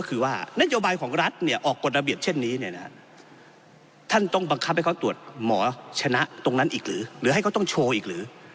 ดูสิออกกฎระเบียบเช่นนี้ท่านต้องบังคับให้เขาตรวจหมอชนะตรงนั้นหรือให้เค้าต้องโชว์อีกหรือ